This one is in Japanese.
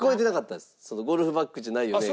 その「ゴルフバッグじゃないよね」。